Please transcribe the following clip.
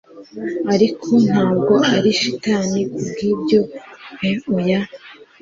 Ariko ntabwo ari shitani kubwibyo pe oya